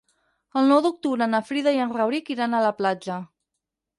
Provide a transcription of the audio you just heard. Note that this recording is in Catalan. El nou d'octubre na Frida i en Rauric iran a la platja.